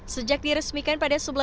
sejak diresmikan pada sebelas juli